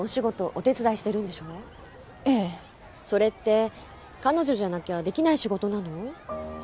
それって彼女じゃなきゃできない仕事なの？